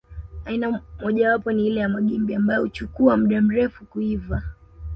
Aina mojawapo ni ile ya magimbi ambayo huchukua muda mrefu kuiva